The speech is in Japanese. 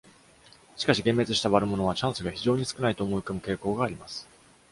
しかし、幻滅した悪者は、チャンスが非常に少ないと思い込む傾向があります。